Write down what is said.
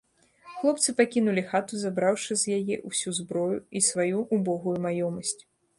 Хлопцы пакінулі хату, забраўшы з яе ўсю зброю і сваю ўбогую маёмасць.